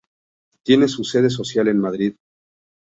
Tiene su sede social en Madrid.